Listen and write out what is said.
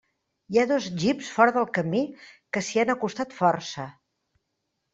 Hi ha dos jeeps fora del camí que s'hi han acostat força.